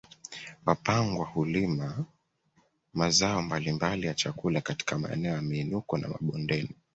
Wapangwa hulima mazao mbalimbali ya chakula katika maeneo ya miinuko na mabondeni